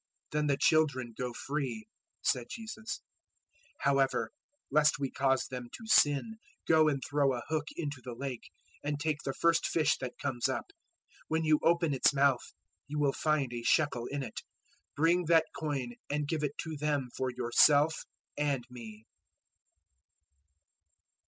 "Then the children go free," said Jesus. 017:027 "However, lest we cause them to sin, go and throw a hook into the Lake, and take the first fish that comes up. When you open its mouth, you will find a shekel in it: bring that coin and give it to them for yourself and me."